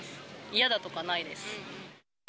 嫌だとかないです。